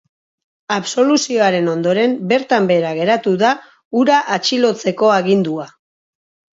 Absoluzioaren ondoren, bertan behera geratu da hura atxilotzeko agindua.